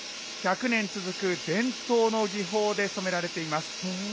１００年続く伝統の技法で染められています。